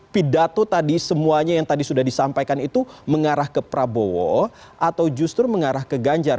pidato tadi semuanya yang tadi sudah disampaikan itu mengarah ke prabowo atau justru mengarah ke ganjar